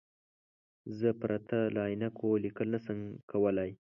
زه پرته له عینکو لیکل نشم کولای.